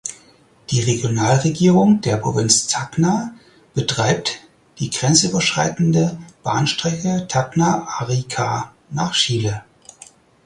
Die Regionalregierung der Provinz Tacna betreibt die grenzüberschreitende Bahnstrecke Tacna–Arica nach Chile.